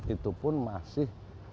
itu pun masih